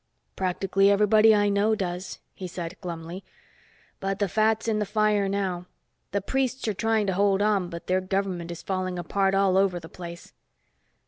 "Practically everybody I know does," he said glumly. "But the fat's in the fire now. The priests are trying to hold on but their government is falling apart all over the place."